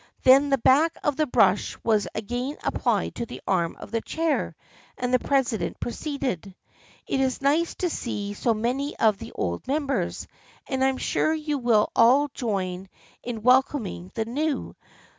Then the back of the brush was again applied to the arm of the chair and the presi dent proceeded. " It is nice to see so many of the old members, and I am sure you will all join in welcoming the new.